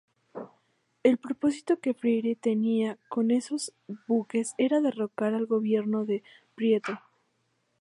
El propósito que Freire tenía con esos buques era derrocar al gobierno de Prieto.